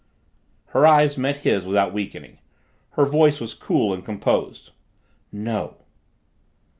Her eyes met his without weakening, her voice was cool and composed. "No."